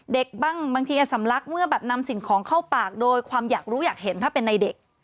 บางทีสำลักเมื่อแบบนำสิ่งของเข้าปากโดยความอยากรู้อยากเห็นถ้าเป็นในเด็ก